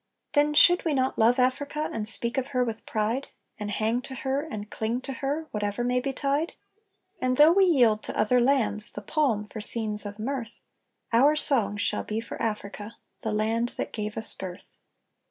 Then should we not love Africa, and speak of her with pride, And hang to her and cling to her whatever may betide? And though we yield to other lands the palm for scenes of mirth, Our song shall be for Africa the land that gave us birth.